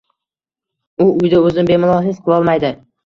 U uyda o`zini bemalol his qilolmaydi